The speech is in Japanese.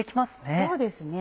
そうですね。